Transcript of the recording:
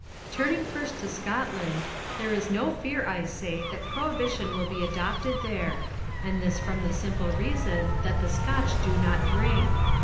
Turning first to Scotland, there is no fear, I say, that prohibition will be adopted there: and this from the simple reason that the Scotch do not drink.